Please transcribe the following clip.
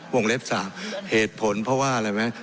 วงเล็บ๓เหตุผลเพราะว่าอะไรไหม